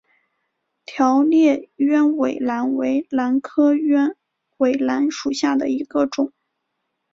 条裂鸢尾兰为兰科鸢尾兰属下的一个种。